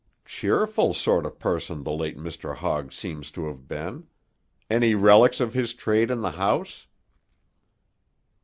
"Cheerful sort of person the late Mr. Hogg seems to have been. Any relics of his trade in the house?"